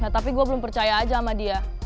tapi gue belum percaya aja sama dia